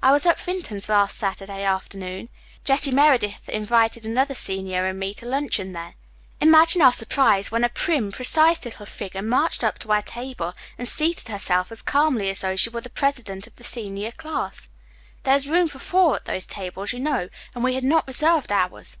"I was at Vinton's last Saturday afternoon. Jessie Meredith invited another senior and me to luncheon there. Imagine our surprise when a prim, precise little figure marched up to our table and seated herself as calmly as though she were the president of the senior class. There is room for four at those tables, you know, and we had not reserved ours.